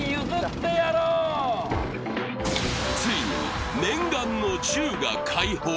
ついに念願の銃が解放。